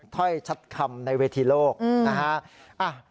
ถ้อยชัดคำในเวทีโลกนะฮะ